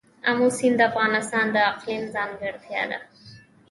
آمو سیند د افغانستان د اقلیم ځانګړتیا ده.